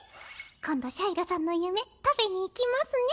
今度シャイロさんの夢食べに行きますね。